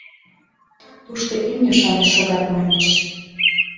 Тушто имне-шамыч шогат, маньыч.